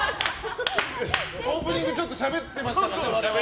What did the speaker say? オープニングしゃべってましたからね、我々。